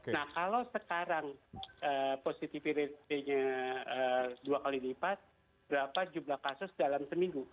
nah kalau sekarang positivity ratenya dua kali lipat berapa jumlah kasus dalam seminggu